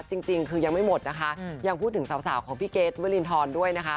จริงคือยังไม่หมดนะคะยังพูดถึงสาวของพี่เกรทวรินทรด้วยนะคะ